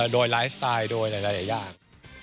โดยไลฟ์สไตล์โดยหลายอย่าง